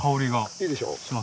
いいでしょ？